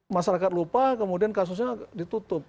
masyarakat lupa kemudian kasusnya ditutup